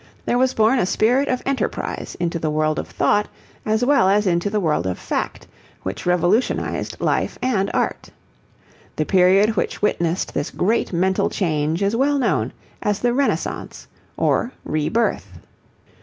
There was born a spirit of enterprise into the world of thought as well as into the world of fact, which revolutionized life and art. The period which witnessed this great mental change is well known as the Renaissance or 'rebirth.'